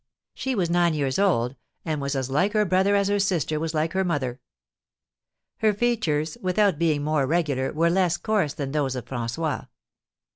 She was nine years old, and was as like her brother as her sister was like her mother. Her features, without being more regular, were less coarse than those of François.